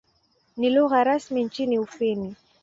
Ni lugha rasmi nchini Ufini.